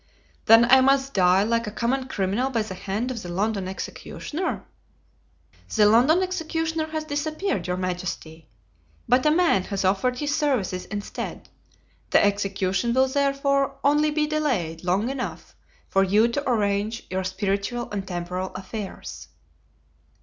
"Then I must die like a common criminal by the hand of the London executioner?" "The London executioner has disappeared, your majesty, but a man has offered his services instead. The execution will therefore only be delayed long enough for you to arrange your spiritual and temporal affairs."